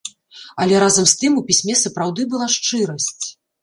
Але разам з тым у пісьме сапраўды была шчырасць.